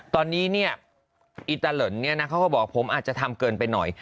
ตอนนี้เนี่ยอิตาเลินเนี่ยนะเขาก็บอกผมอาจจะทำเกินไปหน่อย